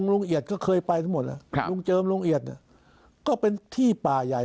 ลุงเอียดก็เคยไปทั้งหมดลุงเจิมลุงเอียดก็เป็นที่ป่าใหญ่